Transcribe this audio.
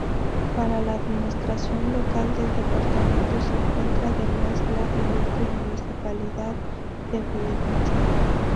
Para la administración local del departamento se encuentra, además, la Ilustre Municipalidad de Bulnes.